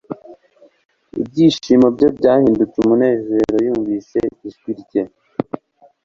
Ibyishimo bye byahindutse umunezero yumvise ijwi rye